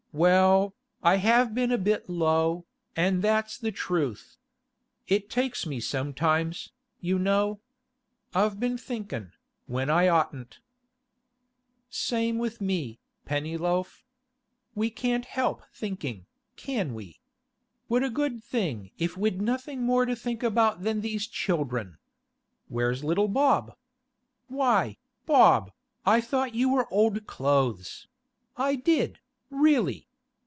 'Well, I have been a bit low, an' that's the truth. It takes me sometimes, you know. I've been thinkin', when I'd oughtn't.' 'Same with me, Pennyloaf. We can't help thinking, can we? What a good thing if we'd nothing more to think about than these children! Where's little Bob? Why, Bob, I thought you were old clothes; I did, really!